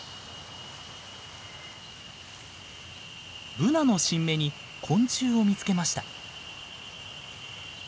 ブナの新芽に昆虫を見つけました。